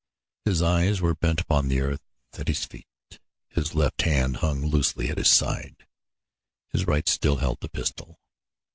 His eyes were bent upon the earth at his feet; his left hand hung loosely at his side, his right still held the pistol.